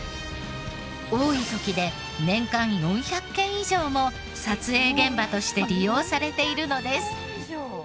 多い時で年間４００件以上も撮影現場として利用されているのです。